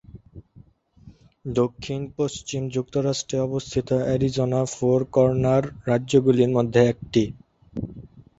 দক্ষিণ-পশ্চিম যুক্তরাষ্ট্রে অবস্থিত অ্যারিজোনা ফোর কর্নার রাজ্যগুলির মধ্যে একটি।